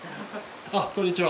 あっこんにちは。